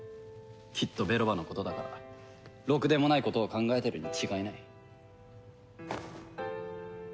きっとベロバのことだからろくでもないことを考えてるに違いない。